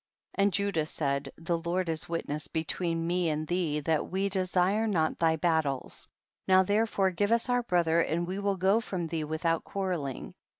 And Judah said, the Lord is witness between me and thee that we desire not thy battles ; now there fore give us our brother and we will go from thee without quarreling.